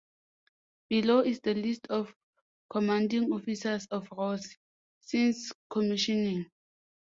Below is the list of commanding officers of "Ross" since commissioning.